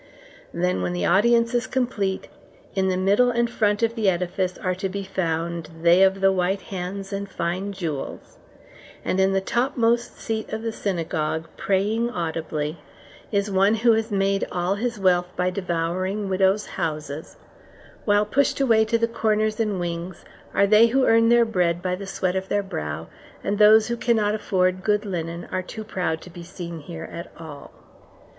Then, when the audience is complete, in the middle and front of the edifice are to be found they of the white hands and fine jewels; and in the topmost seat of the synagogue, praying audibly, is one who has made all his wealth by devouring widows' houses; while pushed away to the corners and wings are they who earn their bread by the sweat of their brow; and those who cannot afford good linen are too proud to be seen here at all.